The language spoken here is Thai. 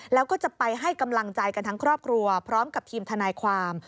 แล้วก็จะไปให้กำลังใจกันทั้งครอบครัวพร้อมกับทีมทนายความ